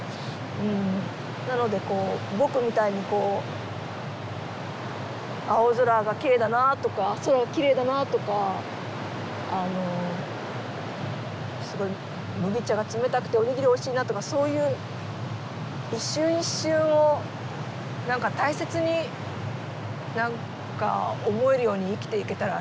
うんなのでこう「ぼく」みたいにこう青空がきれいだなとか空がきれいだなとかあのすごい麦茶が冷たくておにぎりおいしいなとかそういう一瞬一瞬を何か大切に何か思えるように生きていけたらいいですよね。